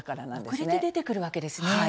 遅れて出てくるわけですね。